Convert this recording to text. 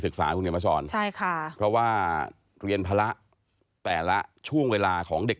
ศึกษาคุณเหนียวมาสอนใช่ค่ะเพราะว่าเรียนภาระแต่ละช่วงเวลาของเด็ก